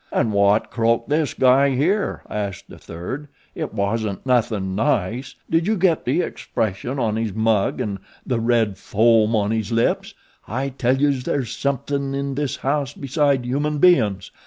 "An' wot croaked this guy here?" asked a third. "It wasn't nothin' nice did you get the expression on his mug an' the red foam on his lips? I tell youse there's something in this house beside human bein's.